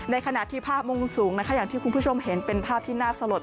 ขณะที่ภาพมุมสูงนะคะอย่างที่คุณผู้ชมเห็นเป็นภาพที่น่าสลด